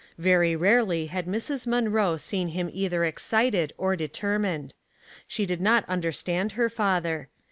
Very rarely had Mrs. Munroe seen him either excited or determined. She did not understand her father.